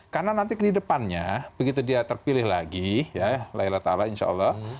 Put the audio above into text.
karena nanti di depannya begitu dia terpilih lagi ya alaihi wa ta'ala insya allah